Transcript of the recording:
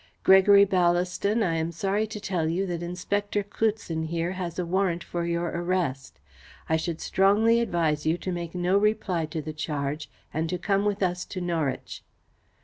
"Gregory Ballaston, I am sorry to tell you that Inspector Cloutson here has a warrant for your arrest. I should strongly advise you to make no reply to the charge and to come with us to Norwich."